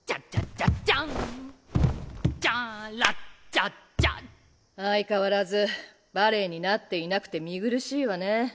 チャチャ相変わらずバレエになっていなくて見苦しいわね。